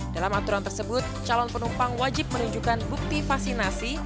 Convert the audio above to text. dalam aturan tersebut calon penumpang wajib menunjukkan bukti vaksinasi